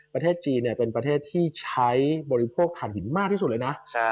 ประเทศจีนเป็นประเทศที่ใช้บริโภคฐานหินมากที่สุดเลยนะ